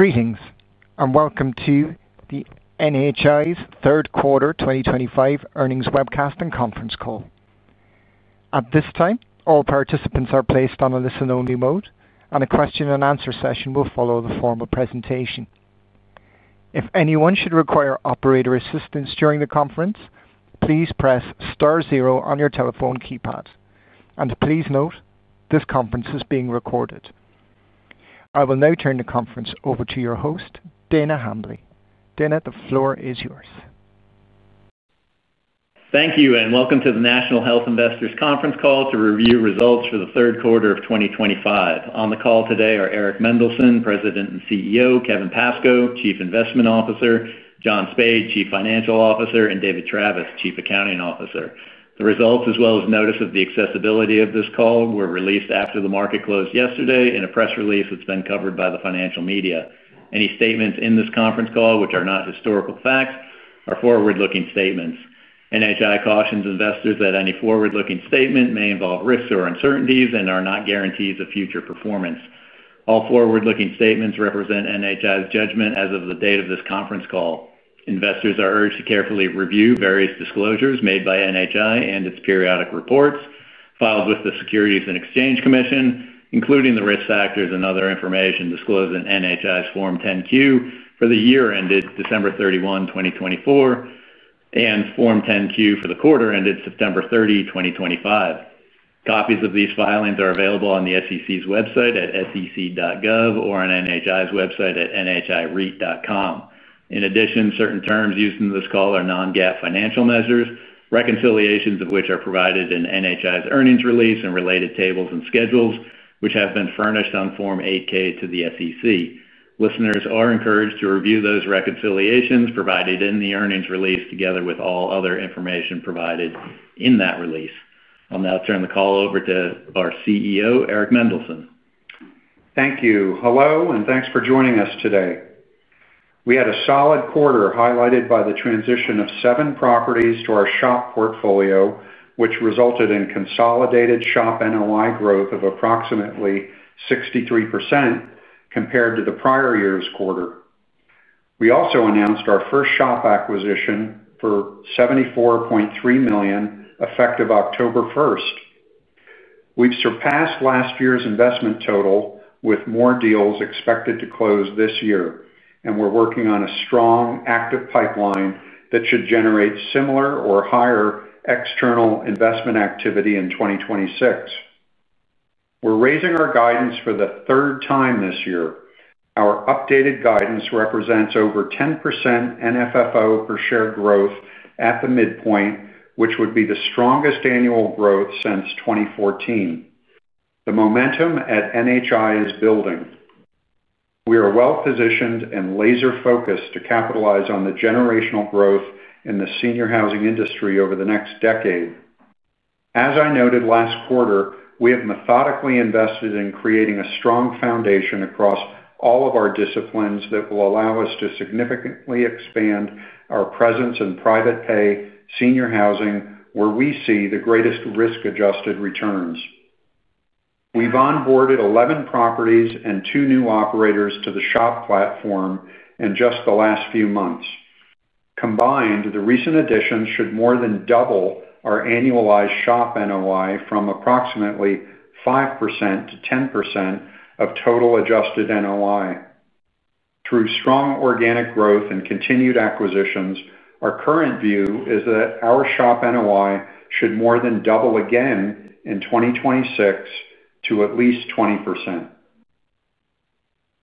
Greetings, and welcome to the Third Quarter 2025 Earnings Webcast and Conference Call. At this time, all participants are placed on a listen-only mode, and a question-and-answer session will follow the form of presentation. If anyone should require operator assistance during the conference, please press star zero on your telephone keypad, and please note this conference is being recorded. I will now turn the conference over to your host, Dana Hambly. Dana, the floor is yours. Thank you, and welcome to the National Health Investors Conference Call to review results for Third Quarter of 2025. On the call today are Eric Mendelsohn, President and CEO; Kevin Pascoe, Chief Investment Officer; John Spaid, Chief Financial Officer; and David Travis, Chief Accounting Officer. The results, as well as notice of the accessibility of this call, were released after the market closed yesterday in a press release that's been covered by the financial media. Any statements in this conference call, which are not historical facts, are forward-looking statements. NHI cautions investors that any forward-looking statement may involve risks or uncertainties and are not guarantees of future performance. All forward-looking statements represent NHI's judgment as of the date of this conference call. Investors are urged to carefully review various disclosures made by NHI and its periodic reports filed with the Securities and Exchange Commission, including the risk factors and other information disclosed in NHI's Form 10-Q for the year ended December 31, 2024, and Form 10-Q for the quarter ended September 30, 2025. Copies of these filings are available on the SEC's website at sec.gov or on NHI's website at nhi.com. In addition, certain terms used in this call are non-GAAP financial measures, reconciliations of which are provided in NHI's earnings release and related tables and schedules, which have been furnished on Form 8-K to the SEC. Listeners are encouraged to review those reconciliations provided in the earnings release together with all other information provided in that release. I'll now turn the call over to our CEO, Eric Mendelsohn. Thank you. Hello, and thanks for joining us today. We had a solid quarter highlighted by the transition of seven properties to our SHOP portfolio, which resulted in consolidated SHOP NOI growth of approximately 63% compared to the prior year's quarter. We also announced our first SHOP acquisition for $74.3 million effective October 1. We've surpassed last year's investment total with more deals expected to close this year, and we're working on a strong active pipeline that should generate similar or higher external investment activity in 2026. We're raising our guidance for the third time this year. Our updated guidance represents over 10% NFFO per share growth at the midpoint, which would be the strongest annual growth since 2014. The momentum at NHI is building. We are well positioned and laser-focused to capitalize on the generational growth in the senior housing industry over the next decade. As I noted last quarter, we have methodically invested in creating a strong foundation across all of our disciplines that will allow us to significantly expand our presence in private pay senior housing where we see the greatest risk-adjusted returns. We've onboarded 11 properties and two new operators to the SHOP platform in just the last few months. Combined, the recent additions should more than double our annualized SHOP NOI from approximately 5% to 10% of total adjusted NOI. Through strong organic growth and continued acquisitions, our current view is that our SHOP NOI should more than double again in 2026 to at least 20%.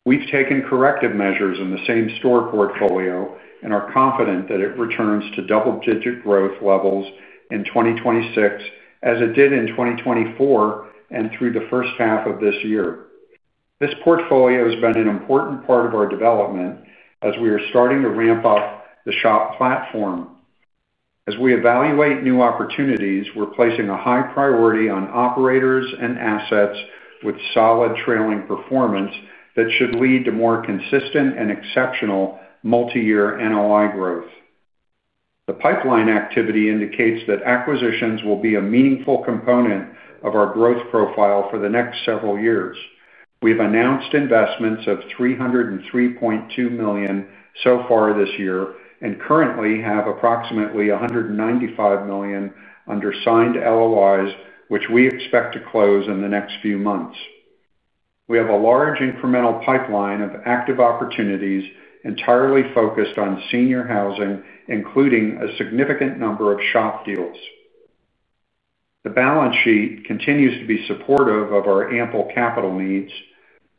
We've taken corrective measures in the same store portfolio and are confident that it returns to double-digit growth levels in 2026 as it did in 2024 and through the first half of this year. This portfolio has been an important part of our development as we are starting to ramp up the SHOP platform. As we evaluate new opportunities, we're placing a high priority on operators and assets with solid trailing performance that should lead to more consistent and exceptional multi-year NOI growth. The pipeline activity indicates that acquisitions will be a meaningful component of our growth profile for the next several years. We've announced investments of $303.2 million so far this year and currently have approximately $195 million under signed LOIs, which we expect to close in the next few months. We have a large incremental pipeline of active opportunities entirely focused on senior housing, including a significant number of SHOP deals. The balance sheet continues to be supportive of our ample capital needs.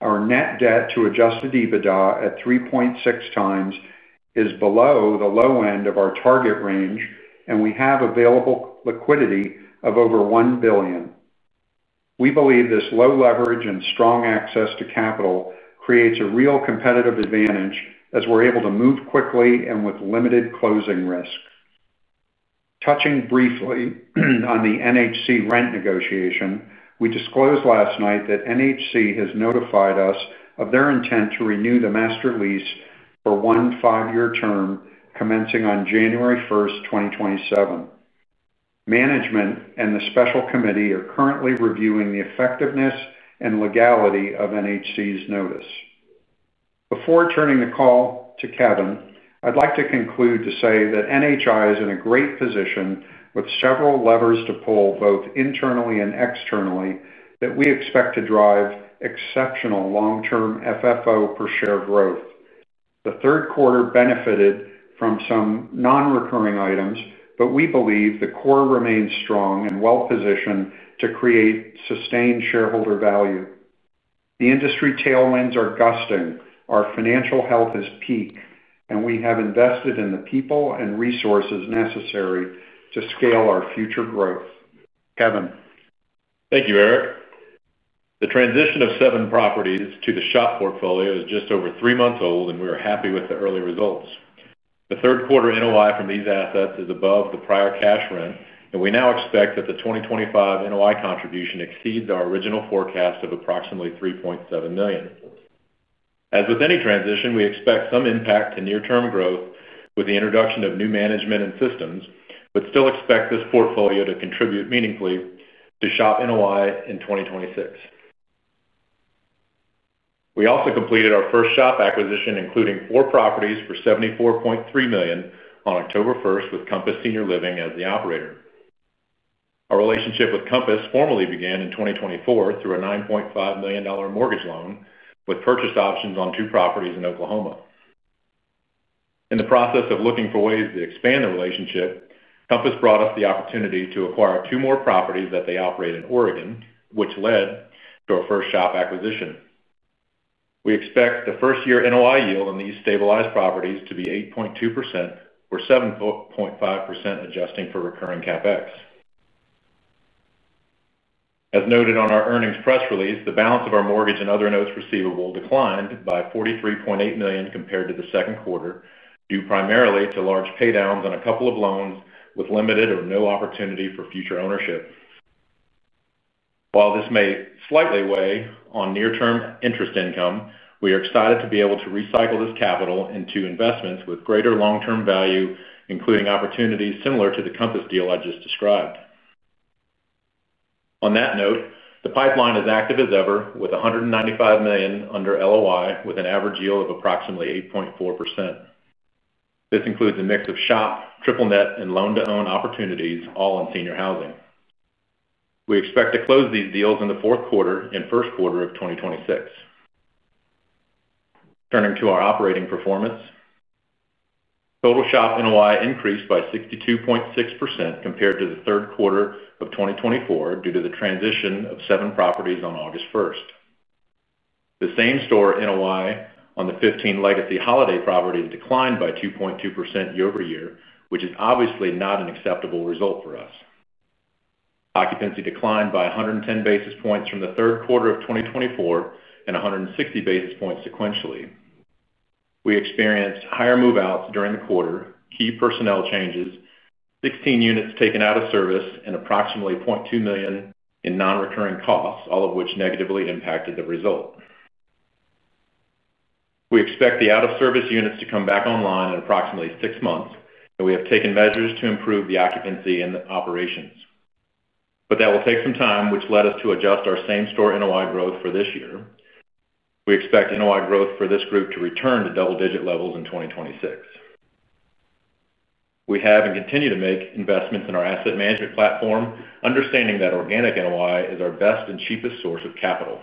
Our net debt to adjusted EBITDA at 3.6 times is below the low end of our target range, and we have available liquidity of over $1 billion. We believe this low leverage and strong access to capital creates a real competitive advantage as we're able to move quickly and with limited closing risk. Touching briefly on the NHC rent negotiation, we disclosed last night that NHC has notified us of their intent to renew the master lease for one five-year term commencing on January 1, 2027. Management and the special committee are currently reviewing the effectiveness and legality of NHC's notice. Before turning the call to Kevin, I'd like to conclude to say that NHI is in a great position with several levers to pull both internally and externally that we expect to drive exceptional long-term FFO per share growth. Third Quarter benefited from some non-recurring items, but we believe the core remains strong and well positioned to create sustained shareholder value. The industry tailwinds are gusting, our financial health is peak, and we have invested in the people and resources necessary to scale our future growth. Kevin. Thank you, Eric. The transition of seven properties to the SHOP portfolio is just over three months old, and we are happy with the early results. Third Quarter NOI from these assets is above the prior cash rent, and we now expect that the 2025 NOI contribution exceeds our original forecast of approximately $3.7 million. As with any transition, we expect some impact to near-term growth with the introduction of new management and systems, but still expect this portfolio to contribute meaningfully to SHOP NOI in 2026. We also completed our first SHOP acquisition, including four properties for $74.3 million on October 1 with Compass Senior Living as the operator. Our relationship with Compass formally began in 2024 through a $9.5 million mortgage loan with purchase options on two properties in Oklahoma. In the process of looking for ways to expand the relationship, Compass brought us the opportunity to acquire two more properties that they operate in Oregon, which led to our first SHOP acquisition. We expect the first-year NOI yield on these stabilized properties to be 8.2% or 7.5% adjusting for recurring CapEx. As noted on our earnings press release, the balance of our mortgage and other notes receivable declined by $43.8 million compared to the Second Quarter due primarily to large paydowns on a couple of loans with limited or no opportunity for future ownership. While this may slightly weigh on near-term interest income, we are excited to be able to recycle this capital into investments with greater long-term value, including opportunities similar to the Compass deal I just described. On that note, the pipeline is active as ever with $195 million under LOI, with an average yield of approximately 8.4%. This includes a mix of SHOP, triple-net, and loan-to-own opportunities, all in senior housing. We expect to close these deals in the Fourth Quarter and first quarter of 2026. Turning to our operating performance, total SHOP NOI increased by 62.6% compared to Third Quarter of 2024 due to the transition of seven properties on August 1st. The same store NOI on the 15 legacy Holiday properties declined by 2.2% Year-over-Year, which is obviously not an acceptable result for us. Occupancy declined by 110 basis points from Third Quarter of 2024 and 160 basis points sequentially. We experienced higher move-outs during the quarter, key personnel changes, 16 units taken out of service, and approximately $0.2 million in non-recurring costs, all of which negatively impacted the result. We expect the out-of-service units to come back online in approximately six months, and we have taken measures to improve the occupancy and operations. That will take some time, which led us to adjust our same store NOI growth for this year. We expect NOI growth for this group to return to double-digit levels in 2026. We have and continue to make investments in our asset management platform, understanding that organic NOI is our best and cheapest source of capital.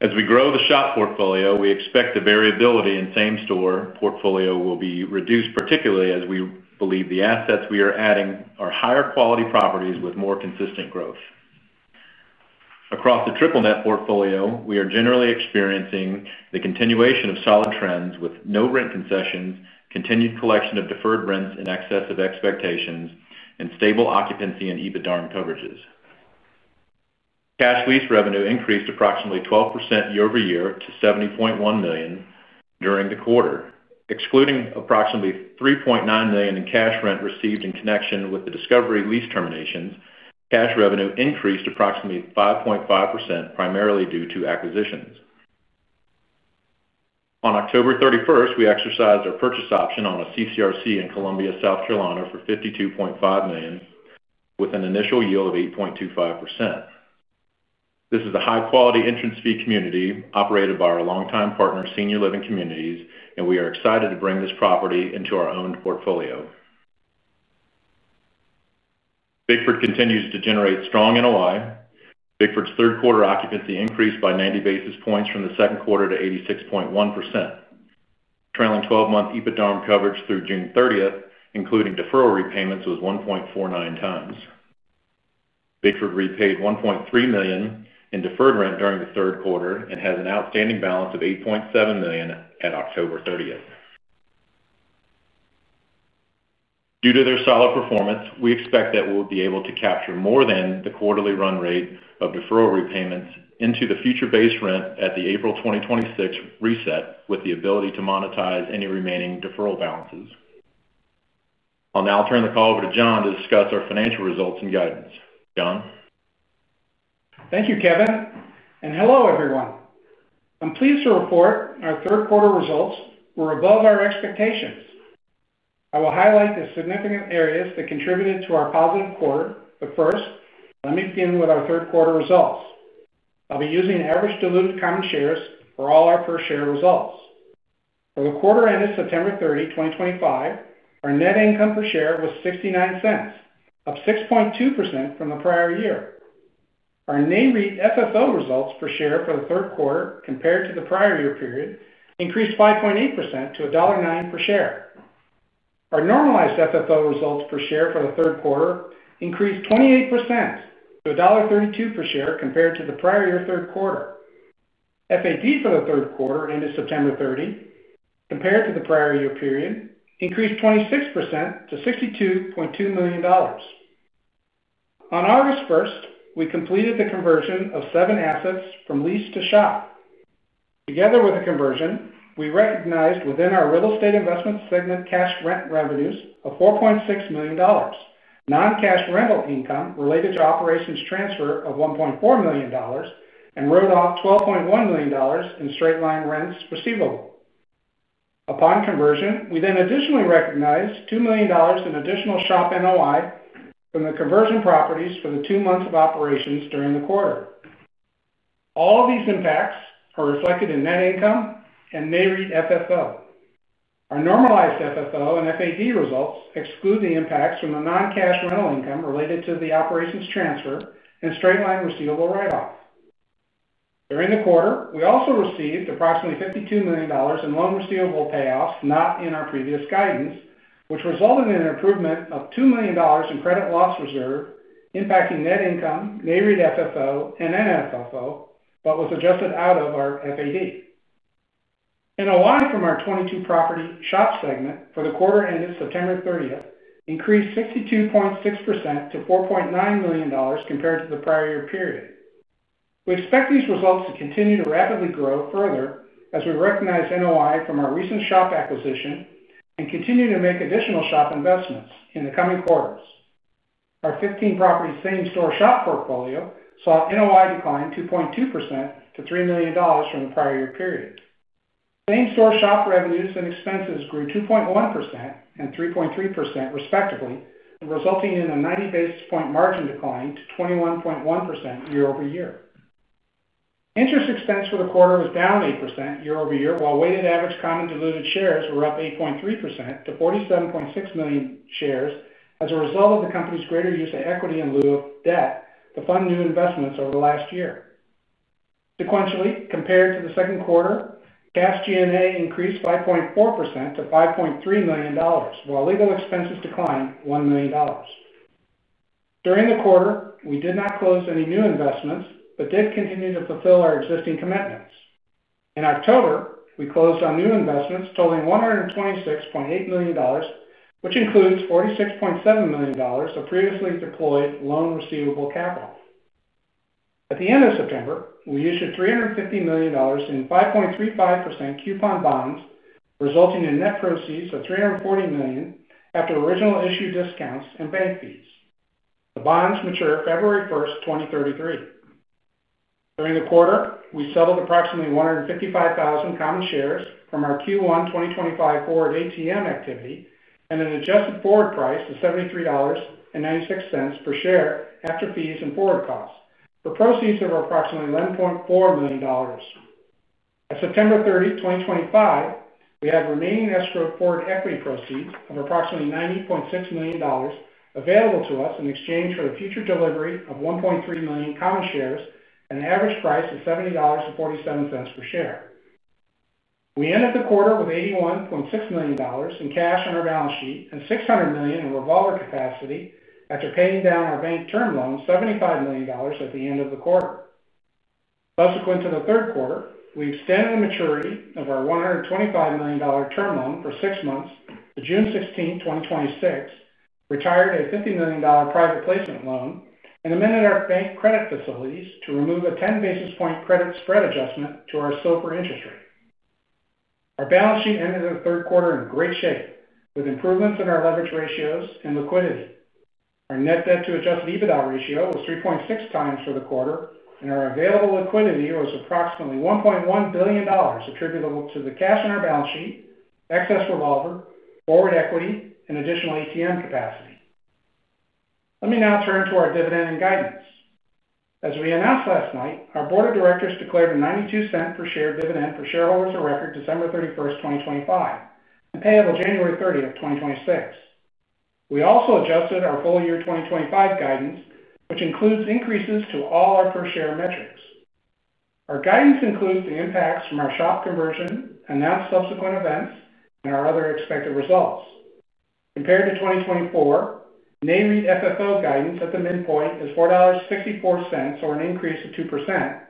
As we grow the SHOP portfolio, we expect the variability in same store portfolio will be reduced, particularly as we believe the assets we are adding are higher quality properties with more consistent growth. Across the triple-net portfolio, we are generally experiencing the continuation of solid trends with no rent concessions, continued collection of deferred rents in excess of expectations, and stable occupancy and EBITDA coverages. Cash lease revenue increased approximately 12% Year-over-Year to $70.1 million during the quarter. Excluding approximately $3.9 million in cash rent received in connection with the Discovery lease terminations, cash revenue increased approximately 5.5% primarily due to acquisitions. On October 31st, we exercised our purchase option on a CCRC in Columbia, South Carolina, for $52.5 million with an initial yield of 8.25%. This is a high-quality entrance fee community operated by our longtime partner, Senior Living Communities, and we are excited to bring this property into our own portfolio. Bickford continues to generate strong NOI. Third Quarter occupancy increased by 90 basis points from the Second Quarter to 86.1%. Trailing 12-month EBITDA coverage through June 30th, including deferral repayments, was 1.49 times. Bickford repaid $1.3 million in deferred rent during Third Quarter and has an outstanding balance of $8.7 million at October 30th. Due to their solid performance, we expect that we'll be able to capture more than the quarterly run rate of deferral repayments into the future-based rent at the April 2026 reset with the ability to monetize any remaining deferral balances. I'll now turn the call over to John to discuss our financial results and guidance. John. Thank you, Kevin. And hello, everyone. I'm pleased to report Third Quarter results were above our expectations. I will highlight the significant areas that contributed to our positive quarter. First, let me begin with Third Quarter results. I'll be using average diluted common shares for all our per share results. For the quarter ended September 30, 2025, our net income per share was $0.69, up 6.2% from the prior year. Our NAREIT FFO results per share for Third Quarter compared to the prior year period increased 5.8% to $1.09 per share. Our normalized FFO results per share for Third Quarter increased 28% to $1.32 per share compared to the prior Third Quarter. fad for Third Quarter ended September 30, compared to the prior year period, increased 26% to $62.2 million. On August 1st, we completed the conversion of seven assets from lease to SHOP. Together with the conversion, we recognized within our real estate investment segment cash rent revenues of $4.6 million, non-cash rental income related to operations transfer of $1.4 million, and wrote off $12.1 million in straight-line rents receivable. Upon conversion, we then additionally recognized $2 million in additional SHOP NOI from the conversion properties for the two months of operations during the quarter. All of these impacts are reflected in net income and NAREIT FFO. Our normalized FFO and FAD results exclude the impacts from the non-cash rental income related to the operations transfer and straight-line receivable write-off. During the quarter, we also received approximately $52 million in loan receivable payoffs not in our previous guidance, which resulted in an improvement of $2 million in credit loss reserve impacting net income, NAREIT FFO, and NFFO, but was adjusted out of our FAD. NOI from our 22-property SHOP segment for the quarter ended September 30th increased 62.6% to $4.9 million compared to the prior year period. We expect these results to continue to rapidly grow further as we recognize NOI from our recent SHOP acquisition and continue to make additional SHOP investments in the coming quarters. Our 15-property same store SHOP portfolio saw NOI decline 2.2% to $3 million from the prior year period. Same store SHOP revenues and expenses grew 2.1% and 3.3% respectively, resulting in a 90 basis point margin decline to 21.1% Year-over-Year. Interest expense for the quarter was down 8% Year-over-Year, while weighted average common diluted shares were up 8.3% to $47.6 million shares as a result of the company's greater use of equity in lieu of debt to fund new investments over the last year. Sequentially, compared to the Second Quarter, cash G&A increased 5.4% to $5.3 million, while legal expenses declined $1 million. During the quarter, we did not close any new investments but did continue to fulfill our existing commitments. In October, we closed on new investments totaling $126.8 million, which includes $46.7 million of previously deployed loan receivable capital. At the end of September, we issued $350 million in 5.35% coupon bonds, resulting in net proceeds of $340 million after original issue discounts and bank fees. The bonds mature February 1st, 2033. During the quarter, we settled approximately 155,000 common shares from our Q1 2025 forward ATM activity at an adjusted forward price of $73.96 per share after fees and forward costs for proceeds of approximately $11.4 million. At September 30, 2025, we had remaining escrow forward equity proceeds of approximately $90.6 million available to us in exchange for the future delivery of 1.3 million common shares at an average price of $70.47 per share. We ended the quarter with $81.6 million in cash on our balance sheet and $600 million in revolver capacity after paying down our bank term loan of $75 million at the end of the quarter. Subsequent to Third Quarter, we extended the maturity of our $125 million term loan for six months to June 16, 2026, retired a $50 million private placement loan, and amended our bank credit facilities to remove a 10 basis point credit spread adjustment to our SOFR interest rate. Our balance sheet ended Third Quarter in great shape with improvements in our leverage ratios and liquidity. Our net debt-to-adjusted EBITDA ratio was 3.6 times for the quarter, and our available liquidity was approximately $1.1 billion attributable to the cash on our balance sheet, excess revolver, forward equity, and additional ATM capacity. Let me now turn to our dividend and guidance. As we announced last night, our board of directors declared a $0.92 per share dividend for shareholders of record December 31st, 2025, and payable January 30th, 2026. We also adjusted our full year 2025 guidance, which includes increases to all our per share metrics. Our guidance includes the impacts from our SHOP conversion, announced subsequent events, and our other expected results. Compared to 2024, NAREIT FFO guidance at the midpoint is $4.64 or an increase of 2%,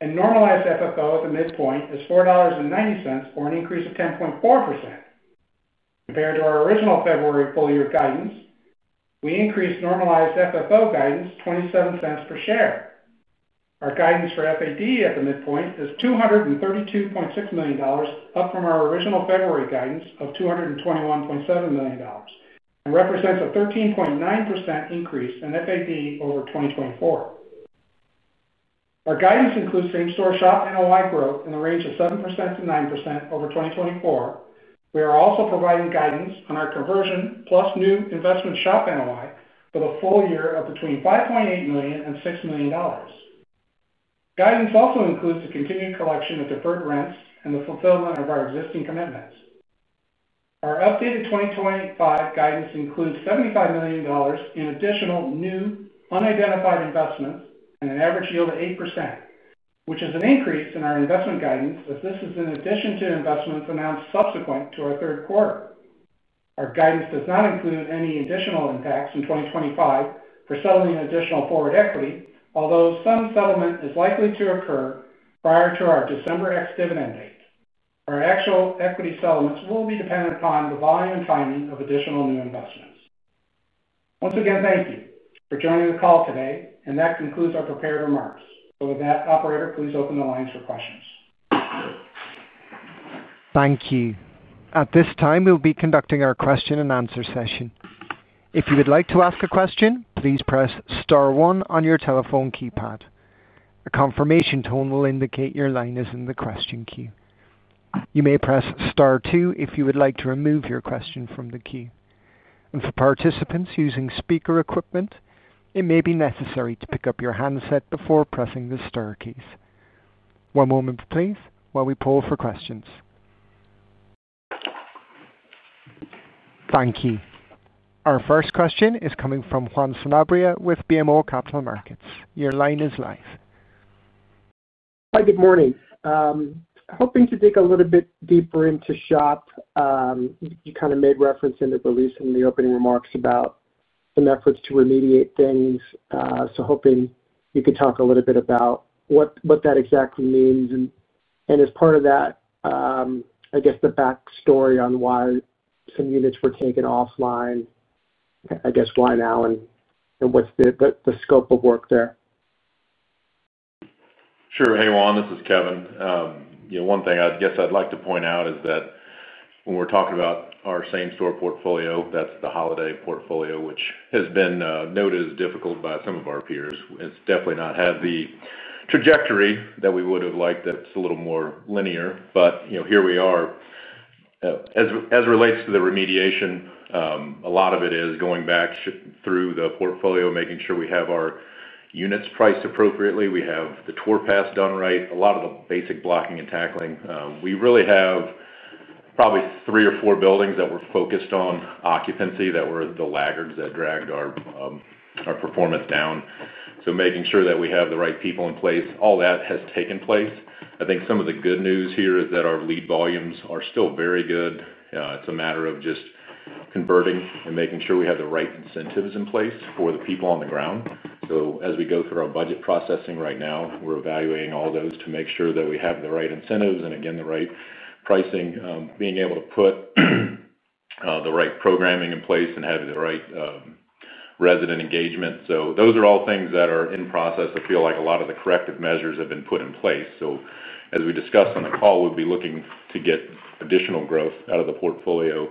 and normalized FFO at the midpoint is $4.90 or an increase of 10.4%. Compared to our original February full year guidance, we increased normalized FFO guidance $0.27 per share. Our guidance for FAD at the midpoint is $232.6 million, up from our original February guidance of $221.7 million, and represents a 13.9% increase in FAD over 2024. Our guidance includes same store SHOP NOI growth in the range of 7%-9% over 2024. We are also providing guidance on our conversion plus new investment SHOP NOI for the full year of between $5.8 million and $6 million. Guidance also includes the continued collection of deferred rents and the fulfillment of our existing commitments. Our updated 2025 guidance includes $75 million in additional new unidentified investments at an average yield of 8%, which is an increase in our investment guidance as this is in addition to investments announced subsequent to Third Quarter. our guidance does not include any additional impacts in 2025 for settling additional forward equity, although some settlement is likely to occur prior to our December ex-dividend date. Our actual equity settlements will be dependent upon the volume and timing of additional new investments. Once again, thank you for joining the call today, and that concludes our prepared remarks. With that, Operator, please open the lines for questions. Thank you. At this time, we'll be conducting our question and answer session. If you would like to ask a question, please press Star one on your telephone keypad. A confirmation tone will indicate your line is in the question queue. You may press Star two if you would like to remove your question from the queue. For participants using speaker equipment, it may be necessary to pick up your handset before pressing the STAR keys. One moment, please, while we poll for questions. Thank you. Our first question is coming from Juan Sanabria with BMO Capital Markets. Your line is live. Hi, good morning. Hoping to dig a little bit deeper into SHOP. You kind of made reference in the release and the opening remarks about some efforts to remediate things. Hoping you could talk a little bit about what that exactly means. As part of that, I guess the backstory on why some units were taken offline, I guess why now, and what's the scope of work there. Sure. Hey, Juan. This is Kevin. One thing I guess I'd like to point out is that when we're talking about our same store portfolio, that's the Holiday portfolio, which has been noted as difficult by some of our peers. It's definitely not had the trajectory that we would have liked. It's a little more linear. Here we are. As it relates to the remediation, a lot of it is going back through the portfolio, making sure we have our units priced appropriately. We have the tour pass done right. A lot of the basic blocking and tackling. We really have probably three or four buildings that we're focused on occupancy that were the laggards that dragged our performance down. Making sure that we have the right people in place, all that has taken place. I think some of the good news here is that our lead volumes are still very good. It's a matter of just converting and making sure we have the right incentives in place for the people on the ground. As we go through our budget processing right now, we're evaluating all those to make sure that we have the right incentives and, again, the right pricing, being able to put the right programming in place and have the right resident engagement. Those are all things that are in process. I feel like a lot of the corrective measures have been put in place. As we discussed on the call, we'll be looking to get additional growth out of the portfolio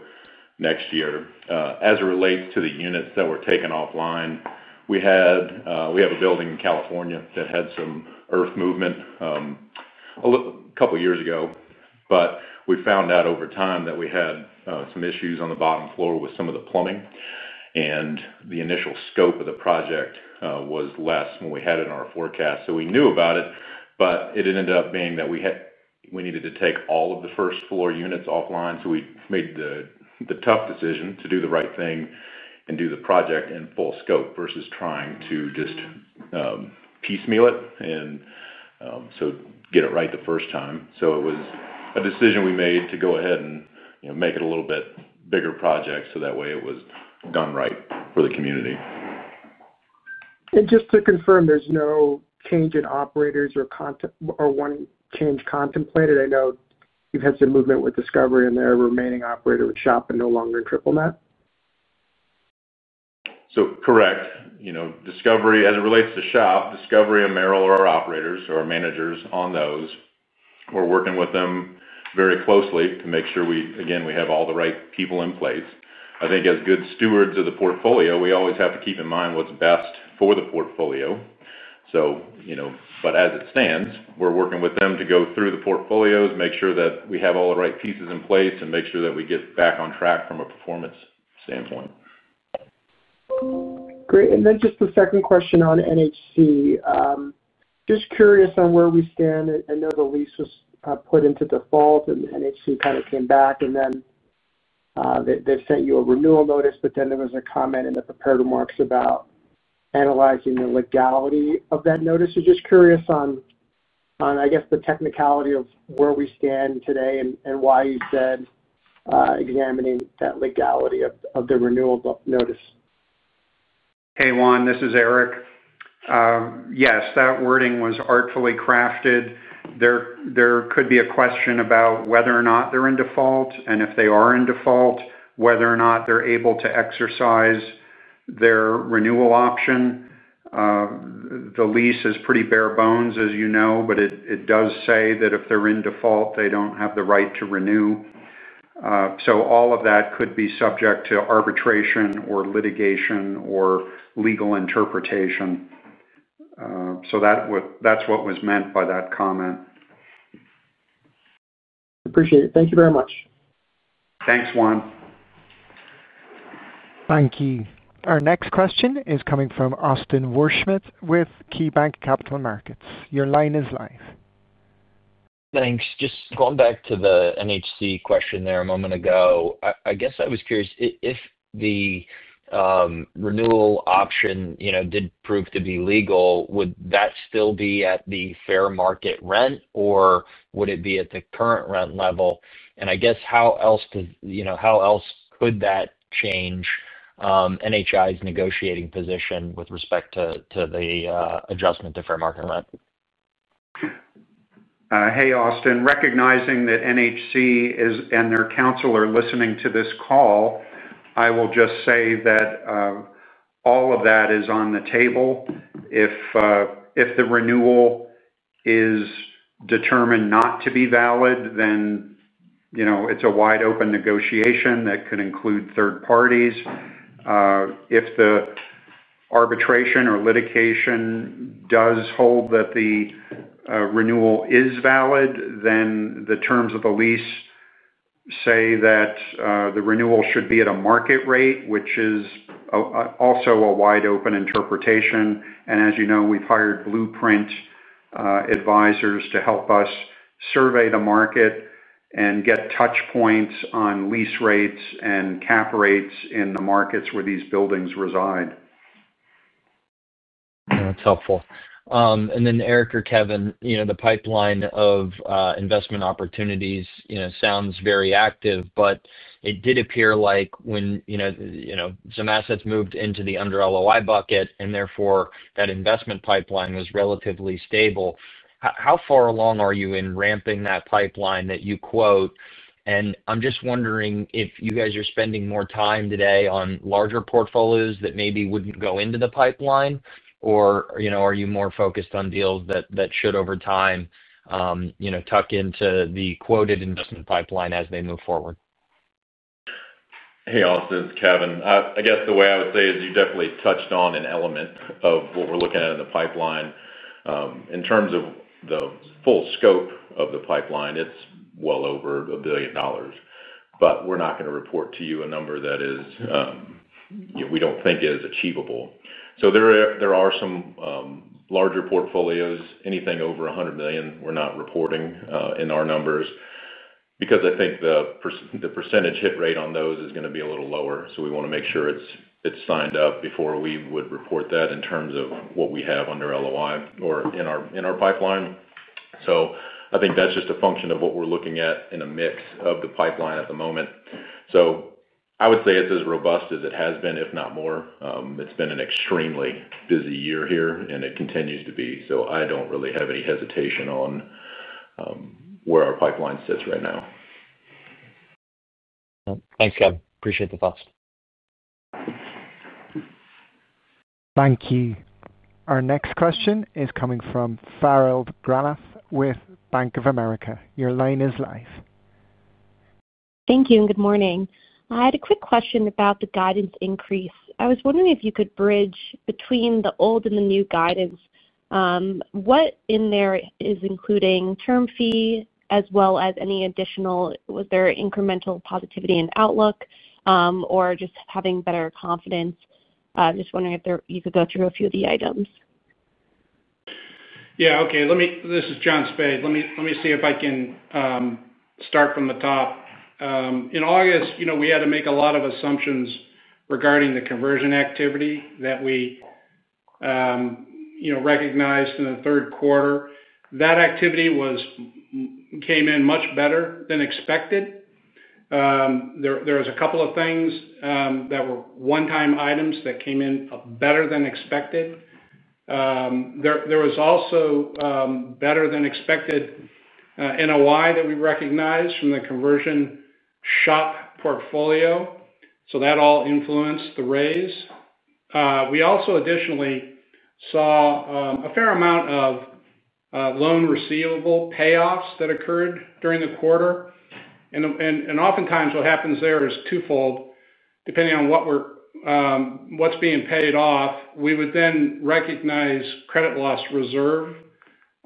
next year. As it relates to the units that were taken offline, we have a building in California that had some earth movement a couple of years ago. We found out over time that we had some issues on the bottom floor with some of the plumbing, and the initial scope of the project was less than we had in our forecast. We knew about it, but it ended up being that we needed to take all of the first-floor units offline. We made the tough decision to do the right thing and do the project in full scope versus trying to just piecemeal it and get it right the first time. It was a decision we made to go ahead and make it a little bit bigger project so that way it was done right for the community. Just to confirm, there's no change in operators or one change contemplated? I know you've had some movement with Discovery and their remaining operator with SHOP and no longer in triple-net. Correct. As it relates to SHOP, Discovery and Merrill are our operators or managers on those. We're working with them very closely to make sure we, again, we have all the right people in place. I think as good stewards of the portfolio, we always have to keep in mind what's best for the portfolio. As it stands, we're working with them to go through the portfolios, make sure that we have all the right pieces in place, and make sure that we get back on track from a performance standpoint. Great. Just the second question on NHC. Just curious on where we stand. I know the lease was put into default, and NHC kind of came back, and then they sent you a renewal notice, but then there was a comment in the prepared remarks about analyzing the legality of that notice. Just curious on, I guess, the technicality of where we stand today and why you said examining that legality of the renewal notice. Hey, Juan. This is Eric. Yes, that wording was artfully crafted. There could be a question about whether or not they're in default, and if they are in default, whether or not they're able to exercise their renewal option. The lease is pretty bare bones, as you know, but it does say that if they're in default, they don't have the right to renew. All of that could be subject to arbitration or litigation or legal interpretation. That is what was meant by that comment. Appreciate it. Thank you very much. Thanks, Juan. Thank you. Our next question is coming from Austin Wurschmidt with KeyBanc Capital Markets. Your line is live. Thanks. Just going back to the NHC question there a moment ago, I guess I was curious if the renewal option did prove to be legal, would that still be at the fair market rent, or would it be at the current rent level? I guess how else could that change NHI's negotiating position with respect to the adjustment to fair market rent? Hey, Austin. Recognizing that NHC and their counsel are listening to this call, I will just say that all of that is on the table. If the renewal is determined not to be valid, then it is a wide-open negotiation that could include third parties. If the arbitration or litigation does hold that the renewal is valid, then the terms of the lease say that the renewal should be at a market rate, which is also a wide-open interpretation. As you know, we have hired Blueprint Advisors to help us survey the market and get touch points on lease rates and cap rates in the markets where these buildings reside. That's helpful. Eric or Kevin, the pipeline of investment opportunities sounds very active, but it did appear like when some assets moved into the under LOI bucket, and therefore that investment pipeline was relatively stable. How far along are you in ramping that pipeline that you quote? I'm just wondering if you guys are spending more time today on larger portfolios that maybe wouldn't go into the pipeline, or are you more focused on deals that should, over time, tuck into the quoted investment pipeline as they move forward? Hey, Austin. It's Kevin. I guess the way I would say is you definitely touched on an element of what we're looking at in the pipeline. In terms of the full scope of the pipeline, it's well over $1 billion. We're not going to report to you a number that we don't think is achievable. There are some larger portfolios. Anything over $100 million, we're not reporting in our numbers because I think the percentage hit rate on those is going to be a little lower. We want to make sure it's signed up before we would report that in terms of what we have under LOI or in our pipeline. I think that's just a function of what we're looking at in a mix of the pipeline at the moment. I would say it's as robust as it has been, if not more. It's been an extremely busy year here, and it continues to be. I don't really have any hesitation on where our pipeline sits right now. Thanks, Kevin. Appreciate the thoughts. Thank you. Our next question is coming from Farrell Granath with Bank of America. Your line is live. Thank you. Good morning. I had a quick question about the guidance increase. I was wondering if you could bridge between the old and the new guidance. What in there is including term fee as well as any additional? Was there incremental positivity in outlook or just having better confidence? Just wondering if you could go through a few of the items. Yeah. Okay. This is John Spaid. Let me see if I can start from the top. In August, we had to make a lot of assumptions regarding the conversion activity that we recognized in Third Quarter. that activity came in much better than expected. There was a couple of things that were one-time items that came in better than expected. There was also better than expected NOI that we recognized from the conversion SHOP portfolio. That all influenced the raise. We also additionally saw a fair amount of loan receivable payoffs that occurred during the quarter. Oftentimes, what happens there is twofold. Depending on what is being paid off, we would then recognize credit loss reserve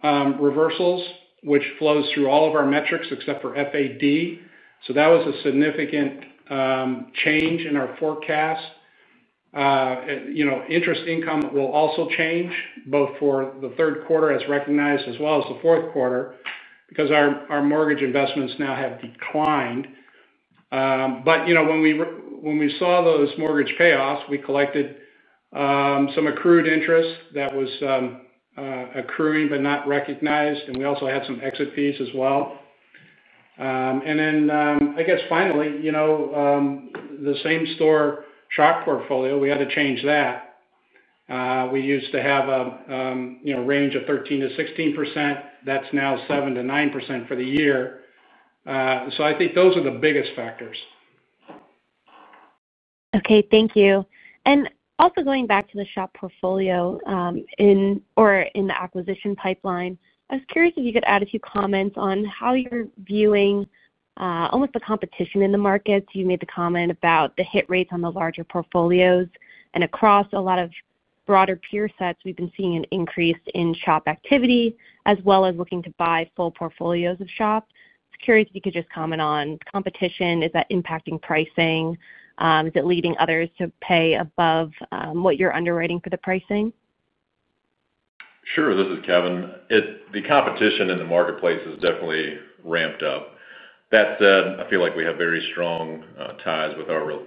reversals, which flows through all of our metrics except for FAD. That was a significant change in our forecast. Interest income will also change both for Third Quarter as recognized as well as the Fourth Quarter because our mortgage investments now have declined. When we saw those mortgage payoffs, we collected some accrued interest that was accruing but not recognized. We also had some exit fees as well. I guess finally, the same store SHOP portfolio, we had to change that. We used to have a range of 13-16%. That is now 7-9% for the year. I think those are the biggest factors. Okay. Thank you. Also, going back to the SHOP portfolio or in the acquisition pipeline, I was curious if you could add a few comments on how you're viewing almost the competition in the markets. You made the comment about the hit rates on the larger portfolios. Across a lot of broader peer sets, we've been seeing an increase in SHOP activity as well as looking to buy full portfolios of SHOP. Just curious if you could just comment on competition. Is that impacting pricing? Is it leading others to pay above what you're underwriting for the pricing? Sure. This is Kevin. The competition in the marketplace has definitely ramped up. That said, I feel like we have very strong ties with our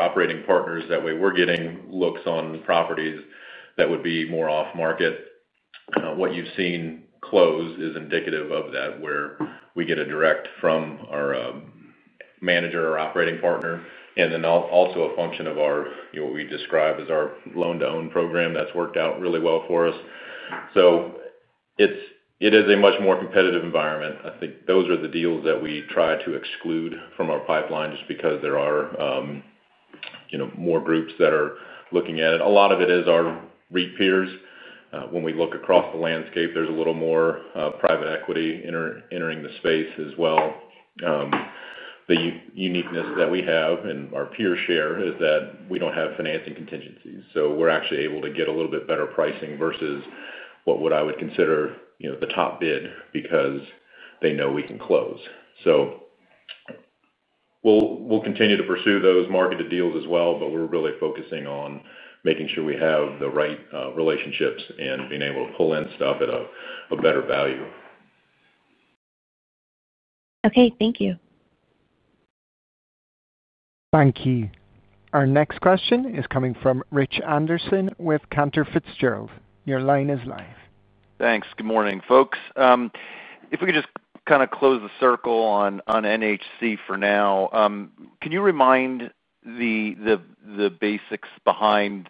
operating partners that way. We're getting looks on properties that would be more off-market. What you've seen close is indicative of that where we get a direct from our manager or operating partner, and then also a function of what we describe as our loan-to-own program that's worked out really well for us. It is a much more competitive environment. I think those are the deals that we try to exclude from our pipeline just because there are more groups that are looking at it. A lot of it is our REIT peers. When we look across the landscape, there's a little more private equity entering the space as well. The uniqueness that we have and our peers share is that we do not have financing contingencies. We are actually able to get a little bit better pricing versus what I would consider the top bid because they know we can close. We will continue to pursue those marketed deals as well, but we are really focusing on making sure we have the right relationships and being able to pull in stuff at a better value. Okay. Thank you. Thank you. Our next question is coming from Rich Anderson with Cantor Fitzgerald. Your line is live. Thanks. Good morning, folks. If we could just kind of close the circle on NHC for now, can you remind the basics behind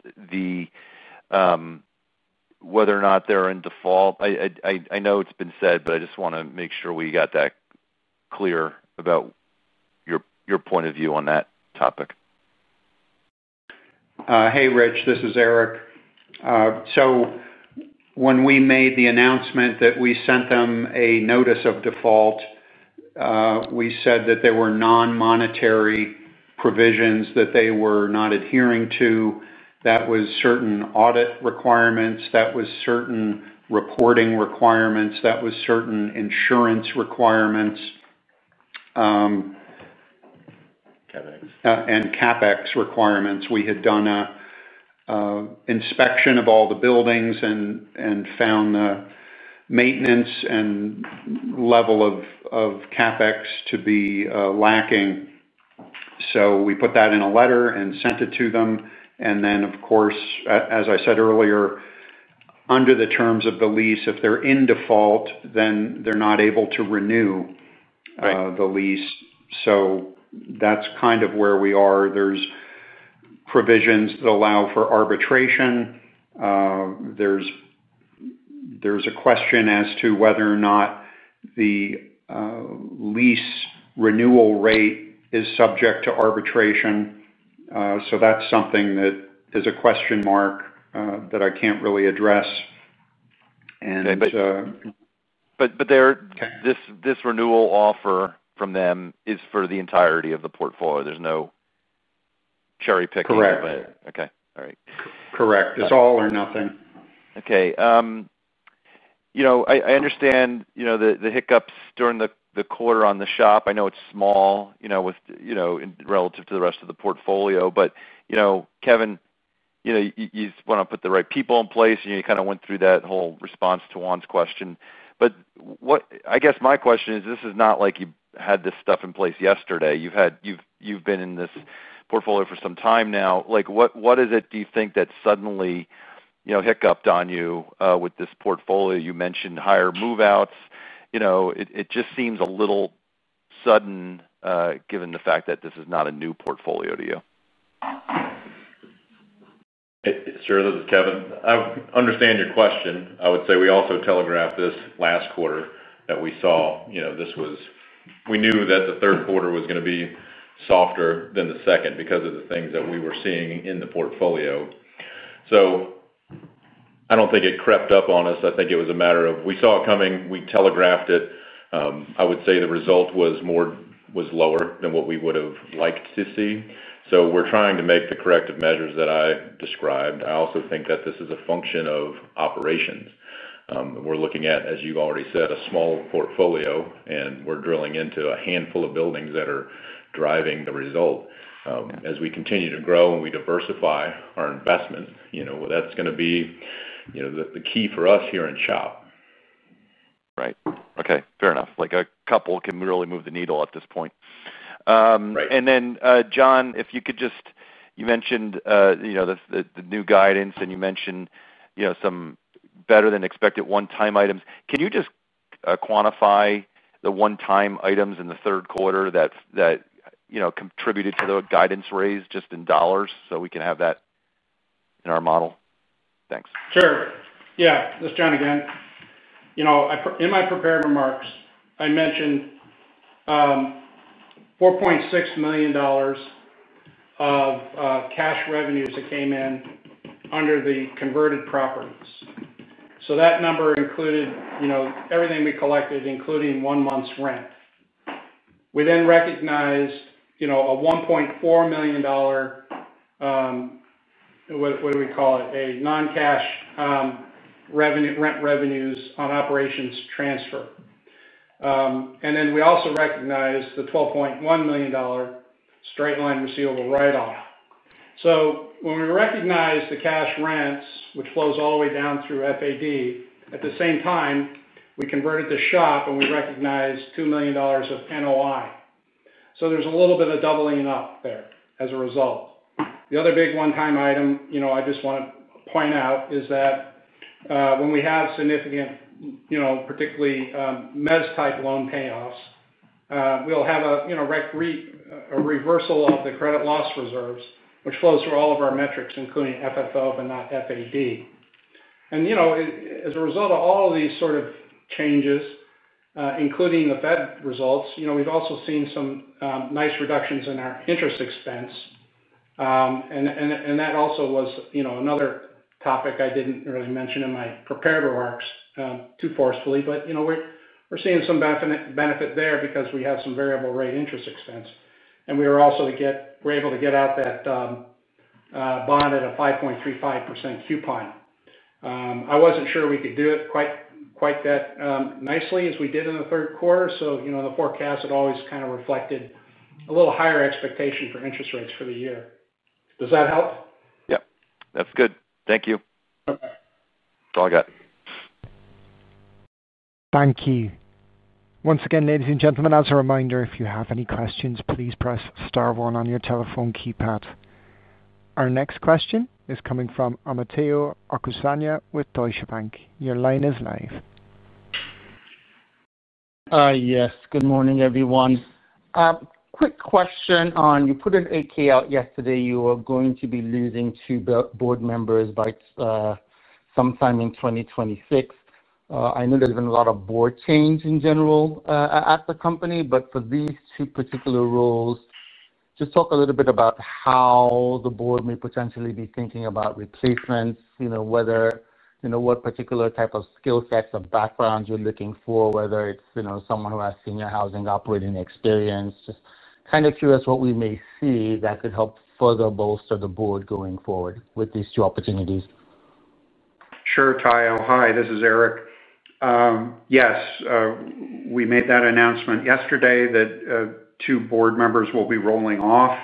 whether or not they're in default? I know it's been said, but I just want to make sure we got that clear about your point of view on that topic. Hey, Rich. This is Eric. When we made the announcement that we sent them a notice of default, we said that there were non-monetary provisions that they were not adhering to. That was certain audit requirements. That was certain reporting requirements. That was certain insurance requirements and CapEx requirements. We had done an inspection of all the buildings and found the maintenance and level of CapEx to be lacking. We put that in a letter and sent it to them. Of course, as I said earlier, under the terms of the lease, if they're in default, then they're not able to renew the lease. That's kind of where we are. There are provisions that allow for arbitration. There's a question as to whether or not the lease renewal rate is subject to arbitration. That's something that is a question mark that I can't really address and. Okay. This renewal offer from them is for the entirety of the portfolio. There's no cherry-picking. Correct. Okay. All right. Correct. It's all or nothing. Okay. I understand the hiccups during the quarter on the SHOP. I know it's small relative to the rest of the portfolio. Kevin, you want to put the right people in place, and you kind of went through that whole response to Juan's question. I guess my question is, this is not like you had this stuff in place yesterday. You've been in this portfolio for some time now. What is it, do you think, that suddenly hiccupped on you with this portfolio? You mentioned higher move-outs. It just seems a little sudden given the fact that this is not a new portfolio to you. Sure. This is Kevin. I understand your question. I would say we also telegraphed this last quarter that we saw this was we knew that Third Quarter was going to be softer than the second because of the things that we were seeing in the portfolio. I do not think it crept up on us. I think it was a matter of we saw it coming. We telegraphed it. I would say the result was lower than what we would have liked to see. We are trying to make the corrective measures that I described. I also think that this is a function of operations. We are looking at, as you have already said, a small portfolio, and we are drilling into a handful of buildings that are driving the result. As we continue to grow and we diversify our investment, that is going to be the key for us here in SHOP. Right. Okay. Fair enough. A couple can really move the needle at this point. John, if you could just, you mentioned the new guidance, and you mentioned some better-than-expected one-time items. Can you just quantify the one-time items in Third Quarter that contributed to the guidance raise just in dollars so we can have that in our model? Thanks. Sure. Yeah. This is John again. In my prepared remarks, I mentioned $4.6 million of cash revenues that came in under the converted properties. That number included everything we collected, including one month's rent. We then recognized a $1.4 million—what do we call it?—a non-cash rent revenues on operations transfer. We also recognized the $12.1 million straight-line receivable write-off. When we recognized the cash rents, which flows all the way down through FAD, at the same time, we converted the SHOP, and we recognized $2 million of NOI. There is a little bit of doubling up there as a result. The other big one-time item I just want to point out is that when we have significant, particularly MES-type loan payoffs, we will have a reversal of the credit loss reserves, which flows through all of our metrics, including FFO but not FAD. As a result of all of these sort of changes, including the Fed results, we've also seen some nice reductions in our interest expense. That also was another topic I did not really mention in my prepared remarks too forcefully. We are seeing some benefit there because we have some variable-rate interest expense. We were also able to get out that bond at a 5.35% coupon. I was not sure we could do it quite that nicely as we did in Third Quarter. the forecast had always kind of reflected a little higher expectation for interest rates for the year. Does that help? Yep. That's good. Thank you. That's all I got. Thank you. Once again, ladies and gentlemen, as a reminder, if you have any questions, please press star one on your telephone keypad. Our next question is coming from Amateo Acuzana with Deutsche Bank. Your line is live. Yes. Good morning, everyone. Quick question on you put an 8-K out yesterday. You are going to be losing two board members by sometime in 2026. I know there's been a lot of board change in general at the company. For these two particular roles, just talk a little bit about how the board may potentially be thinking about replacements, whether what particular type of skill sets or backgrounds you're looking for, whether it's someone who has senior housing operating experience. Just kind of curious what we may see that could help further bolster the board going forward with these two opportunities. Sure. Tyo. Hi. This is Eric. Yes. We made that announcement yesterday that two board members will be rolling off.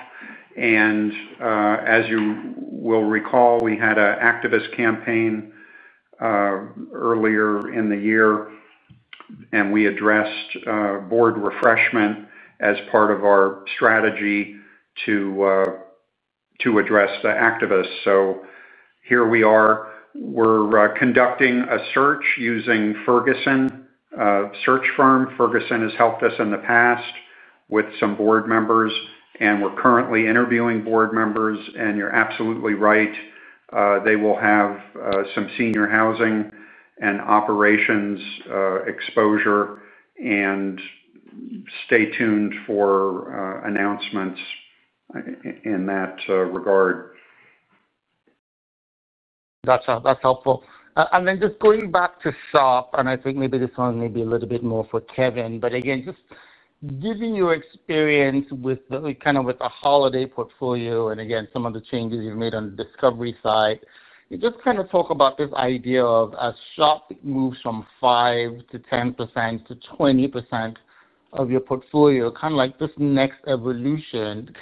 As you will recall, we had an activist campaign earlier in the year, and we addressed board refreshment as part of our strategy to address the activists. Here we are. We are conducting a search using Ferguson Search Firm. Ferguson has helped us in the past with some board members. We are currently interviewing board members. You are absolutely right. They will have some senior housing and operations exposure. Stay tuned for announcements in that regard. That's helpful. Just going back to SHOP, I think maybe this one may be a little bit more for Kevin. Again, just given your experience with the Holiday portfolio and some of the changes you've made on the Discovery side, just talk about this idea of a SHOP that moves from 5% to 10% to 20% of your portfolio, like this next evolution.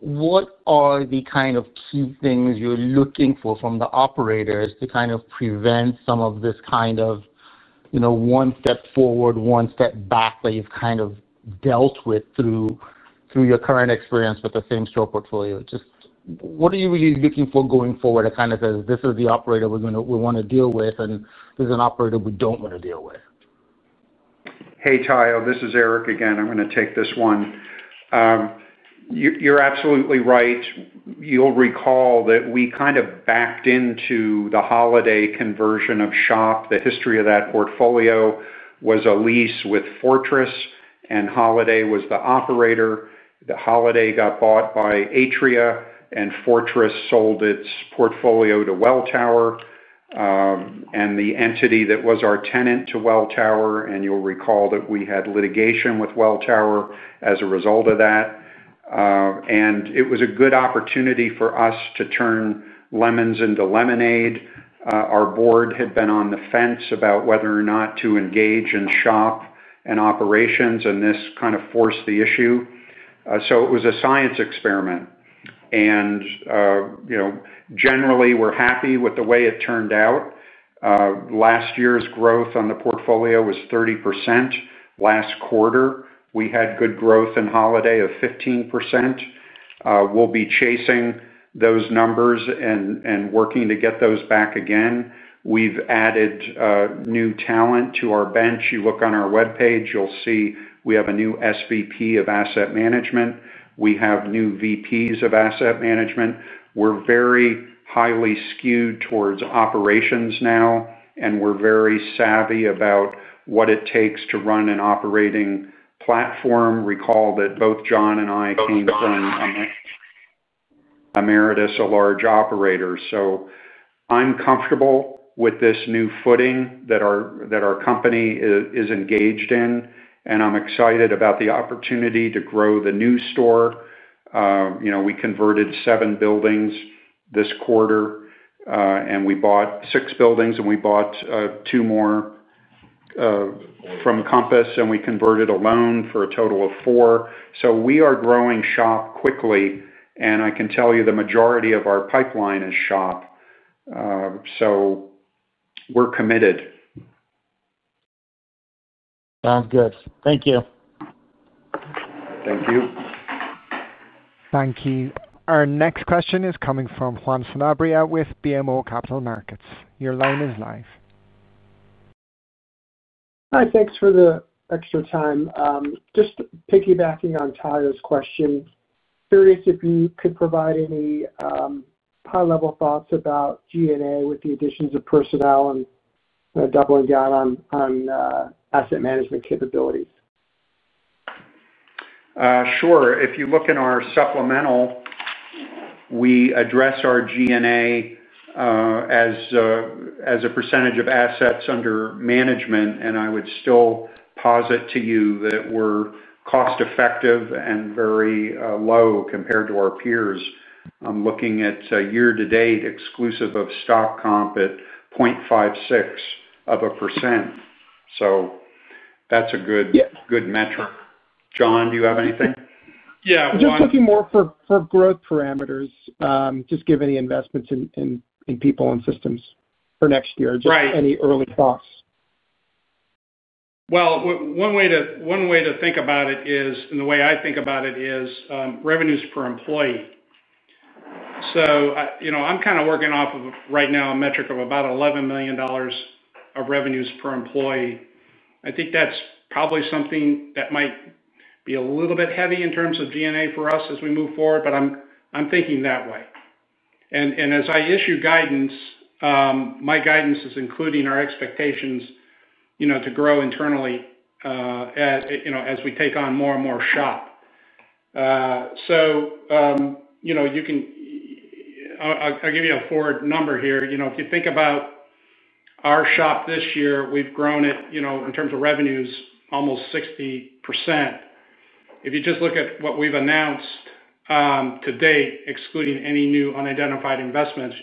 What are the key things you're looking for from the operators to prevent some of this one step forward, one step back that you've dealt with through your current experience with the same store portfolio? Just what are you really looking for going forward that kind of says, "This is the operator we want to deal with, and there's an operator we don't want to deal with? Hey, Tyo. This is Eric again. I'm going to take this one. You're absolutely right. You'll recall that we kind of backed into the Holiday conversion of SHOP. History of that portfolio was a lease with Fortress, and Holiday was the operator. Then Holiday got bought by Atria, and Fortress sold its portfolio to Welltower. The entity that was our tenant went to Welltower, and you'll recall that we had litigation with Welltower as a result of that. It was a good opportunity for us to turn lemons into lemonade. Our board had been on the fence about whether or not to engage in SHOP and operations, and this kind of forced the issue. It was a science experiment. Generally, we're happy with the way it turned out. Last year's growth on the portfolio was 30%. Last quarter, we had good growth in Holiday of 15%. We'll be chasing those numbers and working to get those back again. We've added new talent to our bench. You look on our webpage, you'll see we have a new SVP of Asset Management. We have new VPs of Asset Management. We're very highly skewed towards operations now, and we're very savvy about what it takes to run an operating platform. Recall that both John and I came from Emeritus, a large operator. I am comfortable with this new footing that our company is engaged in. I am excited about the opportunity to grow the new store. We converted seven buildings this quarter, and we bought six buildings, and we bought two more from Compass, and we converted a loan for a total of four. We are growing SHOP quickly. I can tell you the majority of our pipeline is SHOP. We are committed. Sounds good. Thank you. Thank you. Thank you. Our next question is coming from Juan Sanabria with BMO Capital Markets. Your line is live. Hi. Thanks for the extra time. Just piggybacking on Tyo's question, curious if you could provide any high-level thoughts about G&A with the additions of personnel and doubling down on asset management capabilities. Sure. If you look in our supplemental, we address our G&A as a percentage of assets under management. I would still posit to you that we're cost-effective and very low compared to our peers. I'm looking at year-to-date exclusive of stock comp at 0.56%. That's a good metric. John, do you have anything? Yeah. Just looking more for growth parameters, just given the investments in people and systems for next year. Just any early thoughts? One way to think about it is, and the way I think about it is revenues per employee. I'm kind of working off of right now a metric of about $11 million of revenues per employee. I think that's probably something that might be a little bit heavy in terms of G&A for us as we move forward, but I'm thinking that way. As I issue guidance, my guidance is including our expectations to grow internally as we take on more and more SHOP. I'll give you a forward number here. If you think about our SHOP this year, we've grown it in terms of revenues almost 60%. If you just look at what we've announced to date, excluding any new unidentified investments,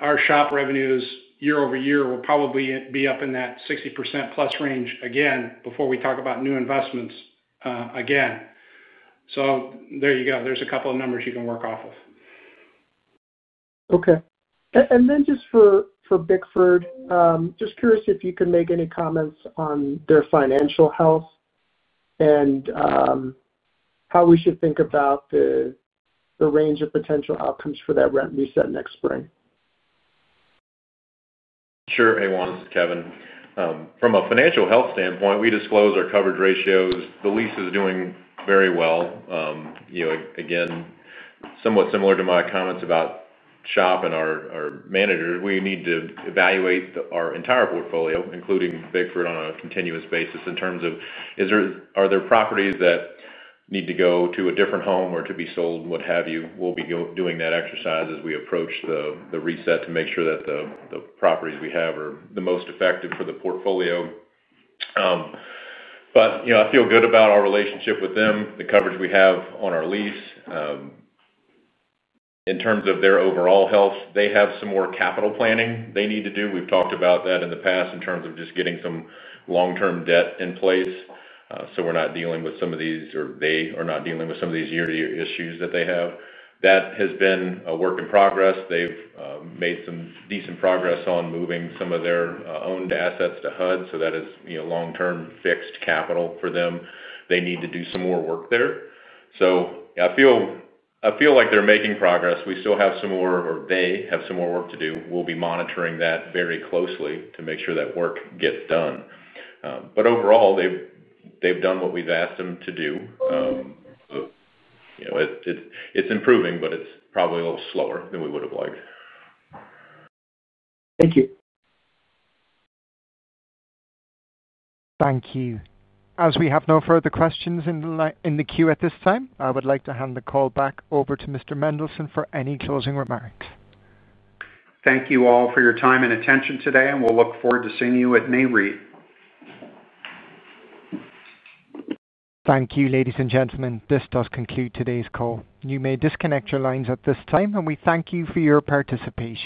our SHOP revenues Year-over-Year will probably be up in that 60%-plus range again before we talk about new investments again. There you go. There are a couple of numbers you can work off of. Okay. Just for Bickford, just curious if you can make any comments on their financial health and how we should think about the range of potential outcomes for that rent reset next spring. Sure. Hey, Juan. This is Kevin. From a financial health standpoint, we disclose our coverage ratios. The lease is doing very well. Again, somewhat similar to my comments about SHOP and our managers, we need to evaluate our entire portfolio, including Bickford, on a continuous basis in terms of are there properties that need to go to a different home or to be sold, what have you. We will be doing that exercise as we approach the reset to make sure that the properties we have are the most effective for the portfolio. I feel good about our relationship with them, the coverage we have on our lease. In terms of their overall health, they have some more capital planning they need to do. We've talked about that in the past in terms of just getting some long-term debt in place so we're not dealing with some of these or they are not dealing with some of these year-to-year issues that they have. That has been a work in progress. They've made some decent progress on moving some of their owned assets to HUD. So that is long-term fixed capital for them. They need to do some more work there. I feel like they're making progress. We still have some more, or they have some more work to do. We'll be monitoring that very closely to make sure that work gets done. Overall, they've done what we've asked them to do. It's improving, but it's probably a little slower than we would have liked. Thank you. Thank you. As we have no further questions in the queue at this time, I would like to hand the call back over to Mr. Mendelsohn for any closing remarks. Thank you all for your time and attention today. We will look forward to seeing you at NAREIT. Thank you, ladies and gentlemen. This does conclude today's call. You may disconnect your lines at this time, and we thank you for your participation.